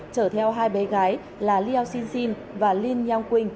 chở theo hai bé gái là liao xin xin và linh yang quynh